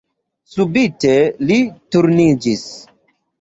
Subite li turniĝis.